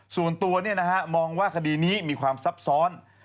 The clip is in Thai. ส่วนตัวมองว่าคดีนี้มีความซับซ้อน